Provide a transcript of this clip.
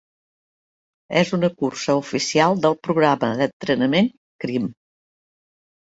És una cursa oficial del programa d'entrenament Crim.